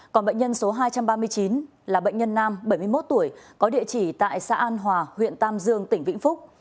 còn bệnh nhân số hai trăm ba mươi chín là bệnh nhân nam bảy mươi một tuổi có địa chỉ tại xã an hòa huyện tam dương tỉnh vĩnh phúc